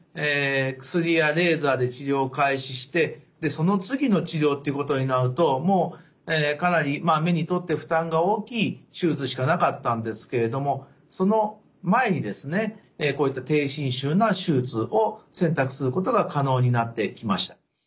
薬やレーザーで治療を開始してその次の治療っていうことになるともうかなり目にとって負担が大きい手術しかなかったんですけれどもその前にこういった低侵襲な手術を選択することが可能になってきました。